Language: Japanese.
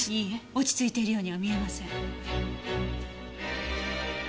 落ち着いているようには見えません。